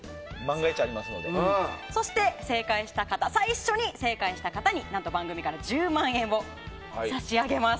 そして、最初に正解した方に何と番組から１０万円を差し上げます。